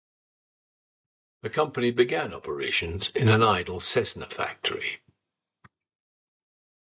The company began operations in an idle Cessna factory.